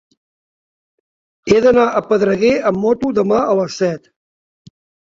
He d'anar a Pedreguer amb moto demà a les set.